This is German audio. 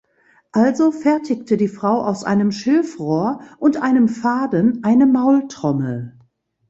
Also fertigte die Frau aus einem Schilfrohr und einem Faden eine Maultrommel.